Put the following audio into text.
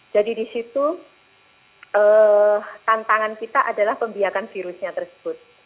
jadi di situ tantangan kita adalah pembiakan virusnya tersebut